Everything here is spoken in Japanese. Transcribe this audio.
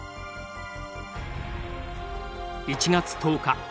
１月１０日。